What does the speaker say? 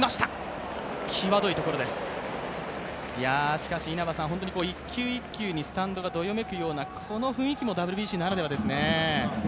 しかし稲葉さん、一球一球にスタンドがどよめくようなこの雰囲気もＷＢＣならではですね。